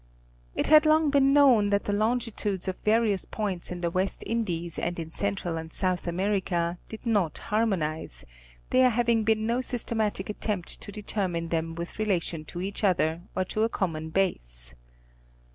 It had long been known that the longitudes of various points in the West Indies and in Central and South America, did not harmonize, there having been no systematic attempt to determine them with relation to each other or to a common base.